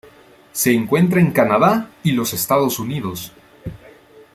Se encuentra en Canadá y los Estados Unidos.